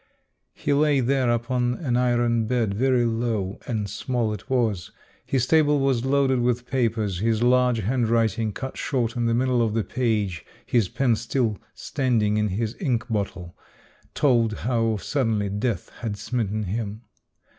He lay there upon an iron bed — very Ipw and small it was ; his table was loaded with papers ; his large handwriting cut short in the middle of the page, his pen still standing in his ink bottle, told how suddenly death had smitten him.